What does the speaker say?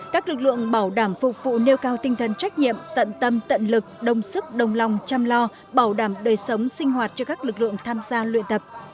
các lực lượng bảo đảm phục vụ nêu cao tinh thần trách nhiệm tận tâm tận lực đồng sức đồng lòng chăm lo bảo đảm đời sống sinh hoạt cho các lực lượng tham gia luyện tập